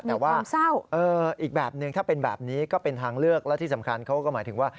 แต่ว่าอีกแบบนึงถ้าเป็นแบบนี้ก็เป็นทางเลือกแล้วที่สำคัญเขาก็หมายถึงว่า